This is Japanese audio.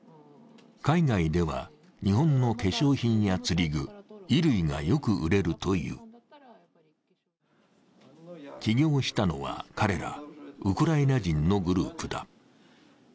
海外では日本の化粧品や釣り具衣類がよく売れるという。起業したのは、彼らウクライナ人のグループだ。